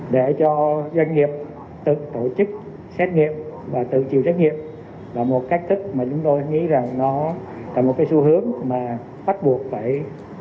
để cho doanh nghiệp tự tổ chức xét nghiệp và tự chịu xét nghiệp là một cách thức mà chúng tôi nghĩ rằng nó là một phía xu hướng mà phát triển cho doanh nghiệp